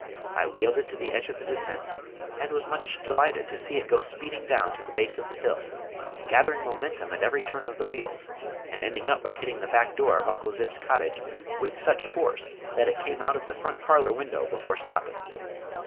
I wheeled it to the edge of the descent, and was much delighted to see it go speeding down to the base of the hill, gathering momentum at every turn of the wheels, and ending up by hitting the back door of Uncle Zibb's cottage with such force that it came out of the front parlor window before stopping.